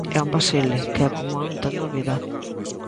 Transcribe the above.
É un vacile, que é como eu entendo a vida.